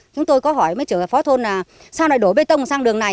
chúng tôi có hỏi mấy chủ phó thôn là sao lại đổ bê tông sang đường này